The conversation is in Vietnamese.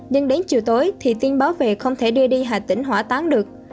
nhưng đến chiều tối thì tiên báo về không thể đưa đi hạ tỉnh hỏa tán được